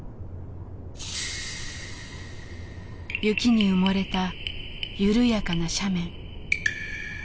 雪に埋もれた緩やかな斜面。